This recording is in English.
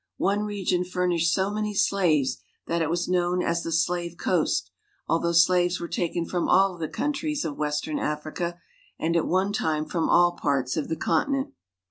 One region furnished so niany slaves that it was ^^H known as the Slave Coast, although slaves were taken from all the countries of western Africa and at one time from all parts of the continent.